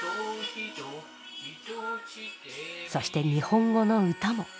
そして日本語の歌も。